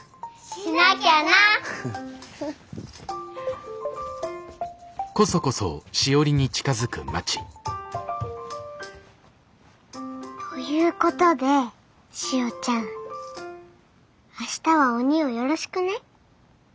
しなきゃな！ということでしおちゃん明日はおにぃをよろしくね。